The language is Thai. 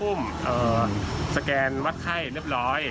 พร้อมนะครับ